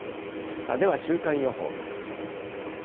では週間予報見ましょう。